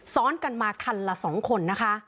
ซ้อนกันมาคันละ๒คน